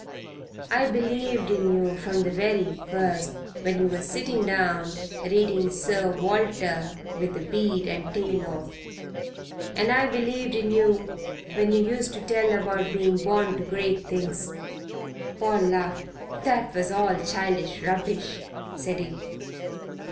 "I believed in yer from the very first, when you were sitting down reading Sir Walter with the bead and tail off. And I believed in yer when yer used to tell about being 'born to great things!" Paul laughed. "That was all childish rubbish," said he.